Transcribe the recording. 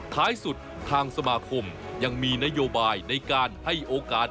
ท้ายสุดทางสมาคมยังมีนโยบายในการให้โอกาส